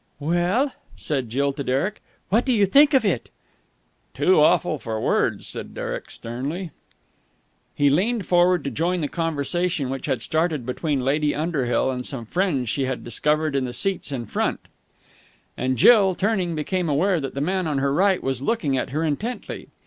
"Well?" said Jill to Derek. "What do you think of it?" "Too awful for words," said Derek sternly. He leaned forward to join the conversation which had started between Lady Underhill and some friends she had discovered in the seats in front; and Jill, turning, became aware that the man on her right was looking at her intently.